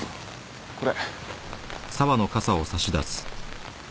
これ。